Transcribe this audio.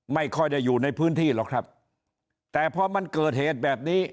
ไม่ค่อยได้อยู่ในพื้นที่หรอกครับแต่พอมันเกิดเหตุแบบนี้